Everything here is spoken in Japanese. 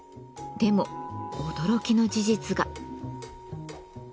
でも驚きの事実が。